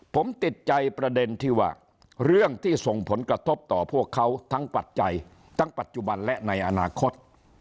ผมติดใจประเด็นที่ว่าเรื่องที่ส่งผลกระทบต่อพวกเขาทั้งปัจจัยทั้งปัจจุบันและในอนาคต